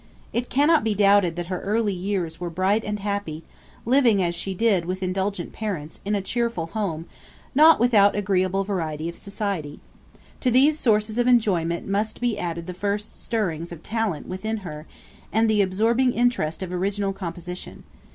It cannot be doubted that her early years were bright and happy, living, as she did, with indulgent parents, in a cheerful home, not without agreeable variety of society. To these sources of enjoyment must be added the first stirrings of talent within her, and the absorbing interest of original composition.